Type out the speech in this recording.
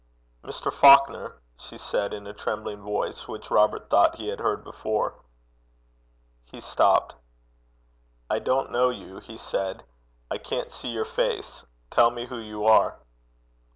'Mr Faukner,' she said, in a trembling voice, which Robert thought he had heard before. He stopped. 'I don't know you,' he said. 'I can't see your face. Tell me who you are.'